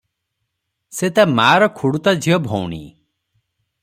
ସେ ତା ମାଆର ଖୁଡୁତା ଝିଅ ଭଉଣୀ ।